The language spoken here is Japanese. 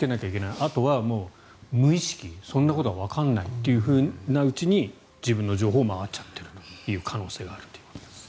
あとは無意識そんなことはわからないといううちに自分の情報が回っちゃっている可能性があるということです。